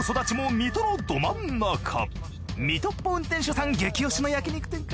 水戸っぽ運転手さん激推しの焼肉店か。